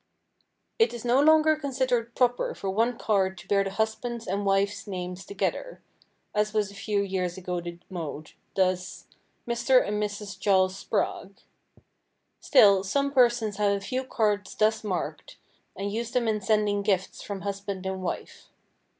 It is no longer considered proper for one card to bear the husband's and wife's names together, as was a few years ago the mode, thus,—"Mr. and Mrs. Charles Sprague." Still, some persons have a few cards thus marked and use them in sending gifts from husband and wife.